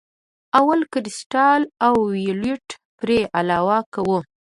اول کرسټل وایولېټ پرې علاوه کوو.